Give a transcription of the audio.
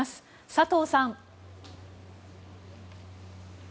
佐藤さん。